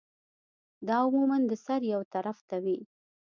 دا عموماً د سر يو طرف ته وی